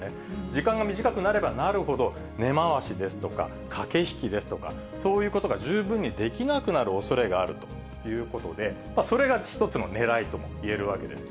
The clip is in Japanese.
時間が短くなればなるほど、根回しですとか、駆け引きですとか、そういうことが十分にできなくなるおそれがあるということで、それが一つのねらいともいえるわけです。